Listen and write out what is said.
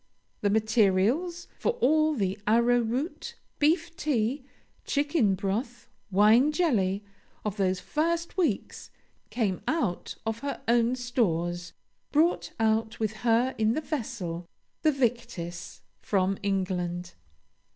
The materials for all the arrowroot, beef tea, chicken broth, wine jelly, of those first weeks, came out of her own stores, brought out with her in the vessel, the Victis, from England.